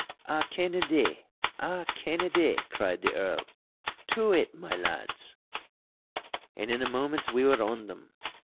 'A Kennedy! A Kennedy!' cried the Earl. 'To it, my lads!' And in a moment we were on them.